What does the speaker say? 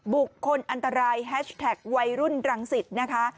บุคคลอันตรายแฮชแท็กวัยรุ่นรังสิตนะคะ